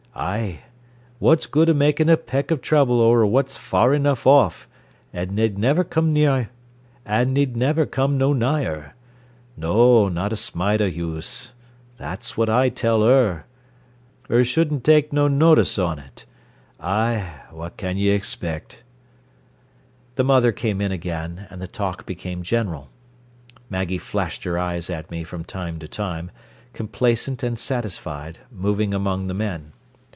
Ay! What's good o' makin' a peck o' trouble ower what's far enough off, an' ned niver come no nigher. No not a smite o' use. That's what I tell 'er. 'Er should ta'e no notice on't. Ay, what can y'expect." The mother came in again, and the talk became general. Maggie flashed her eyes at me from time to time, complacent and satisfied, moving among the men.